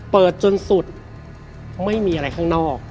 จนสุดไม่มีอะไรข้างนอก